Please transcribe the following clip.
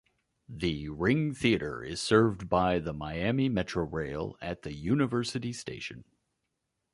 The Ring Theatre is served by the Miami Metrorail at the University Station.